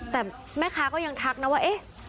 แต่แม่ค้าก็ยังทักนะว่าเอ๊ะ